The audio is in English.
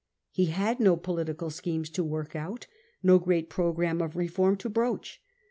He had no political schemes to work out, no great programme of reform to broach.